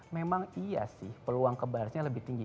memang iya sih peluang kebarisnya lebih tinggi